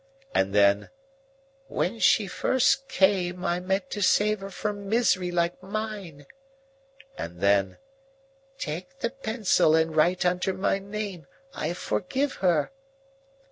And then, "When she first came, I meant to save her from misery like mine." And then, "Take the pencil and write under my name, 'I forgive her!